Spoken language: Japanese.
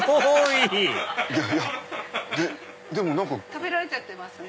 食べられちゃってますね。